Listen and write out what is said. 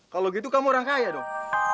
kalau gitu kamu orang kaya dong